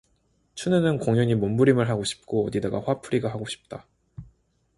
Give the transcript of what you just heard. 춘우는 공연히 몸부림을 하고 싶고 어디다가 화풀이가 하고 싶다.